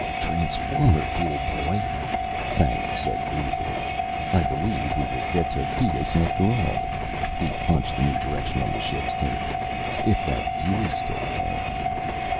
"Transformer fuel, boy!" Fannia said gleefully. "I believe we will get to Thetis, after all." He punched the new direction on the ship's tape. "If that fuel's still there."